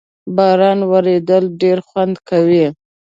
باران ورېدل ډېر خوند کوي